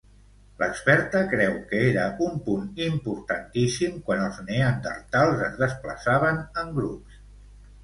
L'experta creu que era un punt importantíssim quan els neandertals es desplaçaven en grups.